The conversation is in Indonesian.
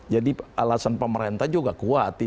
jadi alasan pemerintah juga kuat